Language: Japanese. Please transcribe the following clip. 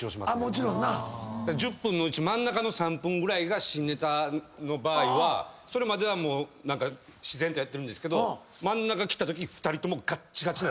１０分のうち真ん中の３分ぐらいが新ネタの場合はそれまではもう何か自然とやってるんですけど真ん中きたとき。